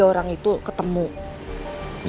besok kamu bisa mencari pak ali